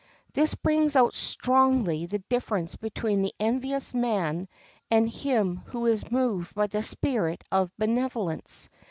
This brings out strongly the difference between the envious man and him who is moved by the spirit of benevolence.